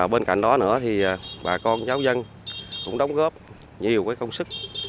bên cạnh đó bà con giáo dân cũng đóng góp nhiều công sức